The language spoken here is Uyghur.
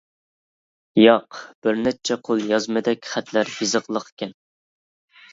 -ياق، بىر نەچچە قول يازمىدەك خەتلەر يېزىقلىقكەن.